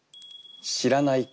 「知らない子」。